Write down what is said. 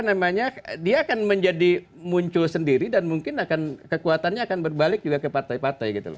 karena dia akan menjadi muncul sendiri dan mungkin kekuatannya akan berbalik juga ke partai partai gitu loh